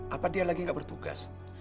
apa dia lagi gak bertugas